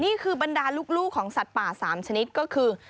นี่คือบรรดาลูกของสัตว์ป่า๓ชนิดก็คือ